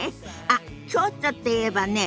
あっ京都っていえばね